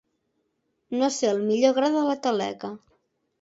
No ser el millor gra de la taleca.